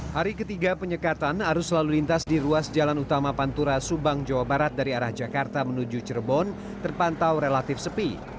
hari ketiga penyekatan arus lalu lintas di ruas jalan utama pantura subang jawa barat dari arah jakarta menuju cirebon terpantau relatif sepi